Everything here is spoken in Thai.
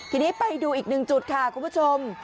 ทีนี้ไปดูอีกหนึ่งจุดค่ะคุณผู้ชม